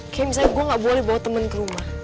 kayak misalnya gue gak boleh bawa teman ke rumah